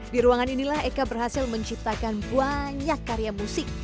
di ruangan inilah eka berhasil menciptakan banyak karya musik